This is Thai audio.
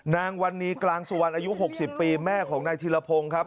นางวันนี้กลางสุวรรณอายุ๖๐ปีแม่ของนายธิรพงศ์ครับ